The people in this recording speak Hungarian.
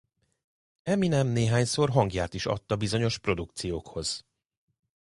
Eminem néhányszor hangját is adta bizonyos produkciókhoz.